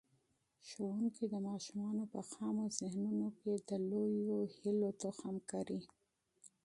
استاد د ماشومانو په خامو ذهنونو کي د لویو ارمانونو تخم کري.